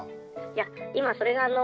☎いや今それがあの